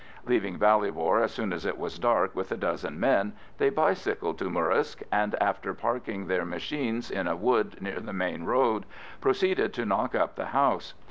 Leaving Ballybor as soon as it was dark with a dozen men, they bicycled to Murrisk, and after parking their machines in a wood near the main road, proceeded to knock up the house.